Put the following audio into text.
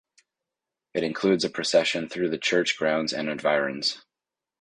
It includes a procession through the church grounds and environs.